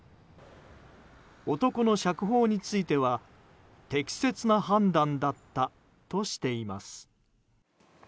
男の釈放については適切な判断だったとしています。